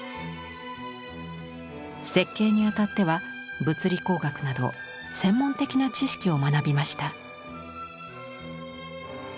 設計にあたっては物理工学など専門的な知識を学びました。